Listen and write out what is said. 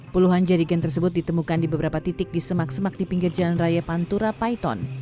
puluhan jadigen tersebut ditemukan di beberapa titik di semak semak di pinggir jalan raya pantura paiton